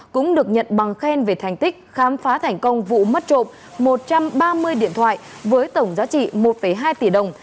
cũng được nhận bằng khen về thành tích khám phá thành công vụ mất trộm một trăm ba mươi điện thoại với tổng giá trị một hai tỷ đồng